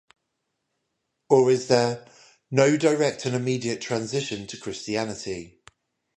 Or is there "no direct and immediate transition to Christianity".